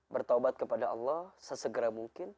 bertaubat kepada allah sesegera mungkin